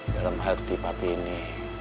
dalam hati papi ini